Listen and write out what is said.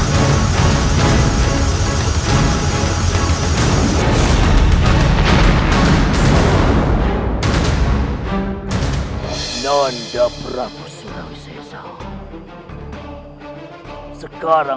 kediasi menjadi orang jahat